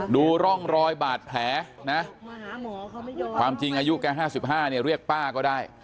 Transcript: ดูร่องรอยบาดแผลนะความจริงอายุแก๕๕เนี่ยเรียกป้าก็ได้